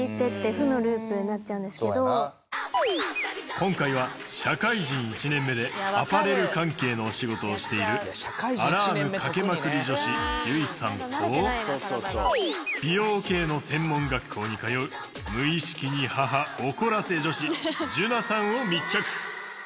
今回は社会人１年目でアパレル関係のお仕事をしているアラームかけまくり女子ゆいさんと美容系の専門学校に通う無意識に母怒らせ女子じゅなさんを密着！